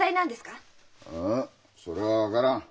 それは分からん。